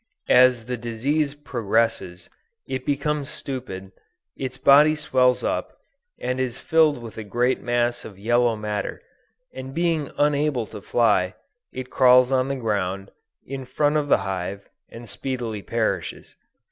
As the disease progresses, it becomes stupid, its body swells up, and is filled with a great mass of yellow matter, and being unable to fly, it crawls on the ground, in front of the hive, and speedily perishes.